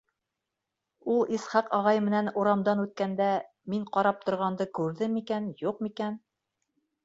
Ул Исхаҡ ағай менән урамдан үткәндә, мин ҡарап торғанды күрҙеме икән, юҡмы икән?..